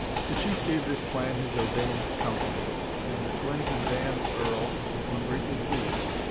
The chief gave this plan his urbane countenance, and the twins and Dan Earl were greatly pleased.